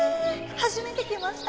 初めて来ました。